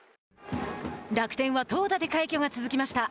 楽天は投打で快挙が続きました。